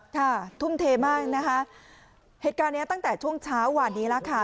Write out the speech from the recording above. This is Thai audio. ทุ่มเทมากนะคะเหตุการณ์เนี้ยตั้งแต่ช่วงเช้าวันนี้แล้วค่ะ